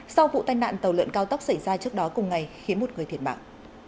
sau vụ tai nạn tàu lợn cao tốc xảy ra trước đó cùng ngày khiến một người thiệt mạng